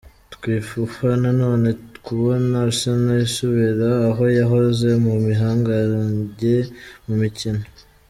Twifufa na none kubona Arsenal isubira aho yahoze, mu bihangange mu mukino”.